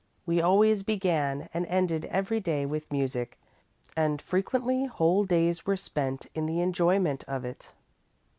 We always began and ended every day with music, and frequently whole days were spent in the enjoyment of it.